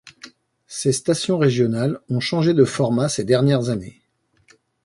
Ces stations régionales ont changé de format ces dernières années.